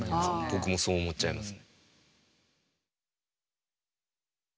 僕もそう思っちゃいます。